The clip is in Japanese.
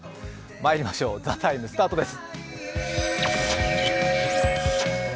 まいりましょう、「ＴＨＥＴＩＭＥ，」スタートです。